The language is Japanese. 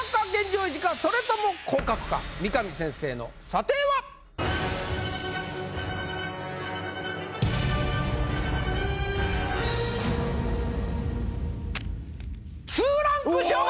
それとも降格か⁉三上先生の査定は⁉２ランク昇格！